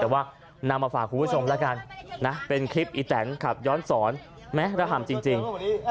แต่ว่านำมาฝากคุณผู้ชมแล้วกันนะเป็นคลิปอีแตนขับย้อนสอนแม้ระห่ำจริง